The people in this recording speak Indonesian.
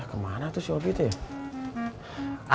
eh kemana tuh sofi tuh ya